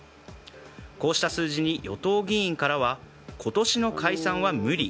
こうした数字に与党議員からは今年の解散は無理。